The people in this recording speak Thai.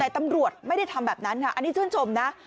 แต่ตำรวจไม่ได้ทำแบบนั้นค่ะอันนี้ชื่นชมนะ